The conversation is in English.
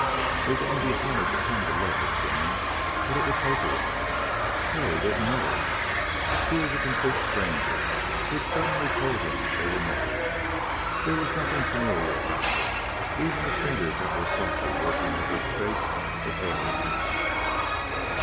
It wouldn't be hard to come to love this woman, but it would take awhile. Hell, he didn't know her. She was a complete stranger who had suddenly told him they were married. There was nothing familiar about her; even the fingers that were softly working over his face were alien.